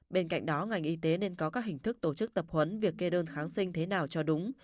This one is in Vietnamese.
bên cạnh đó ngành y tế nên có các hình thức tổ chức tập huấn việc kê đơn kháng sinh thế nào cho đúng